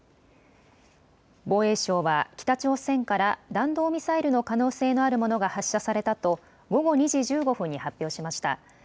防衛省は北朝鮮から弾道ミサイルの可能性のあるものが発射されたと午後２時１５分に発表しました。